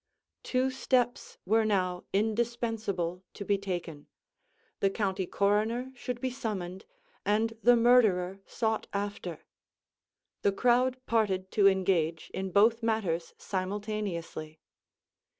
Two steps were now indispensable to be taken; the county coroner should be summoned, and the murderer sought after. The crowd parted to engage in both matters simultaneously.